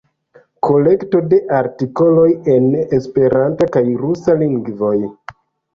Kolekto de artikoloj en esperanta kaj rusa lingvoj.